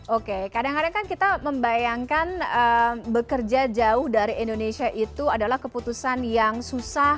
oke kadang kadang kan kita membayangkan bekerja jauh dari indonesia itu adalah keputusan yang susah